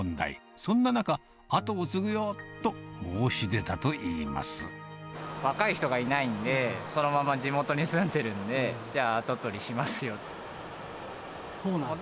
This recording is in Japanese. そんな中、若い人がいないんで、そのまま地元に住んでいるんで、じゃあ跡取りしますよと。